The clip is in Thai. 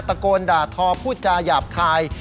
ตะโกนด่าทอพูดจาหยาบคาย